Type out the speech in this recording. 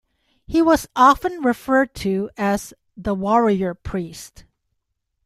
He was often referred to as "the warrior-priest".